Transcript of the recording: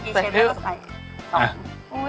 เมื่อกี้เชฟแล้วก็ใส่